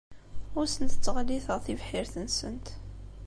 Ur asent-ttɣelliteɣ tibḥirt-nsent.